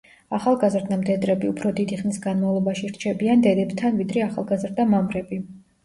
ახალგაზდა მდედრები უფრო დიდი ხნის განმავლობაში რჩებიან დედებთან ვიდრე ახალგაზდა მამრები.